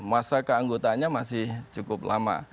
masa keanggotanya masih cukup lama